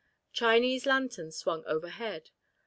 Chinese lanterns swung overhead.